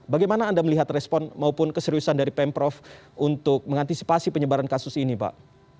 bagaimana anda melihat respon maupun keseriusan dari pemprov untuk mengantisipasi penyebaran kasus ini pak